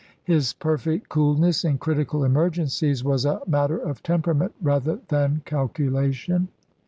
His perfect coolness in critical emergencies was a matter of temperament rather than calculation.